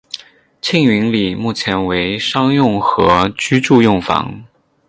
庆云里目前为商用和居住用房。